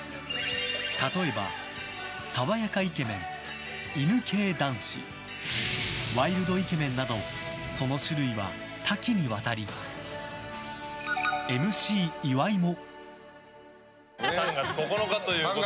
例えば、爽やかイケメン犬系男子、ワイルドイケメンなどその種類は多岐にわたりＭＣ岩井も。